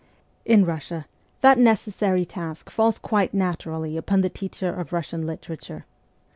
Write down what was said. In Russia, that necessary task falls quite naturally upon the teacher of Russian literature.